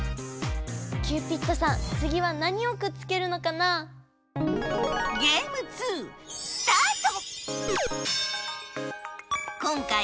キューピッドさんつぎは何をくっつけるのかな？スタート！